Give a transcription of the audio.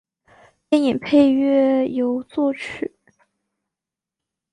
电影配乐由作曲。